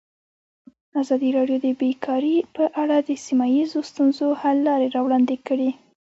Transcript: ازادي راډیو د بیکاري په اړه د سیمه ییزو ستونزو حل لارې راوړاندې کړې.